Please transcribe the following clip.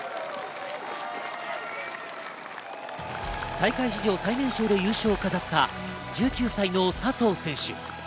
大会史上最年少で優勝を飾った１９歳の笹生選手。